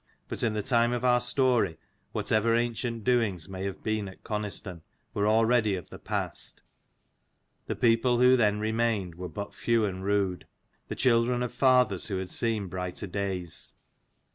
But in the time of our story, whatever ancient doings may have been at Coniston, were already of the past : the people who then remained were but few and rude, the children of fathers who had seen brighter days.